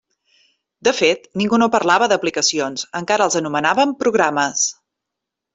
De fet, ningú no parlava d'aplicacions: encara els anomenàvem programes.